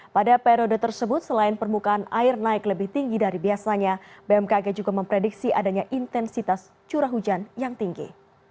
pada periode tersebut selain permukaan air naik lebih tinggi dari biasanya bmkg juga memprediksi adanya intensitas curah hujan yang tinggi